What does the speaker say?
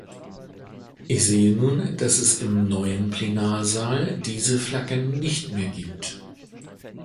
Ich sehe nun, dass es im neuen Plenarsaal diese Flaggen nicht mehr gibt.